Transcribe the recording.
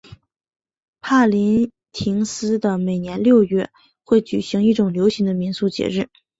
帕林廷斯的每年六月会举行一种流行的民俗节日。